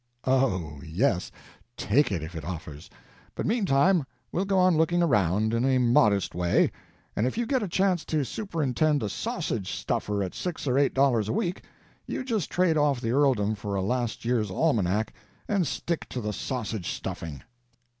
Oh, yes, take it, if it offers; but meantime we'll go on looking around, in a modest way, and if you get a chance to superintend a sausage stuffer at six or eight dollars a week, you just trade off the earldom for a last year's almanac and stick to the sausage stuffing."